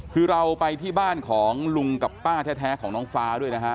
คือเราไปที่บ้านของลุงกับป้าแท้ของน้องฟ้าด้วยนะฮะ